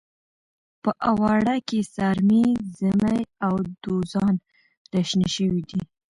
په اواړه کې سارمې، زمۍ او دوزان راشنه شوي دي.